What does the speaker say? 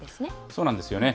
そうなんですよね。